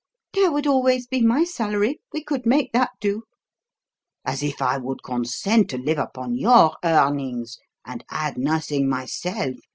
"There would always be my salary; we could make that do." "As if I would consent to live upon your earnings and add nothing myself!